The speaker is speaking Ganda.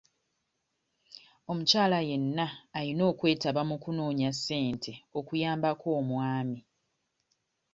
Omukyala yenna ayina okwetaba mu kunoonya ssente okuyambako omwami.